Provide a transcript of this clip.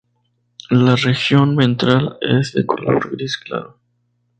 La región ventral es de color gris claro.